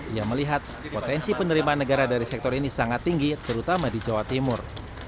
ia melihat potensi penerimaan negara dari sektor ini sangat tinggi terutama di jawa timur